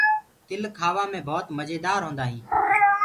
تل کآوآ مي ڀوت مجيدآر هوندآ هينٚ۔